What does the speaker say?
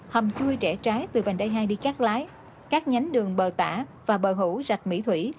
hầm chui trẻ trái từ vành đai hai đi cát lái cát nhánh đường bờ tả và bờ hũ rạch mỹ thủy